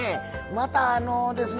またあのですね